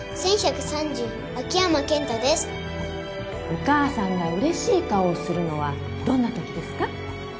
お母さんがうれしい顔をするのはどんなときですか？